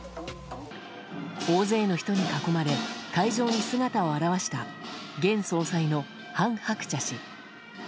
大勢の人に囲まれ会場に姿を現した現総裁の韓鶴子氏。